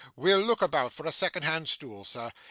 We'll look about for a second hand stool, sir.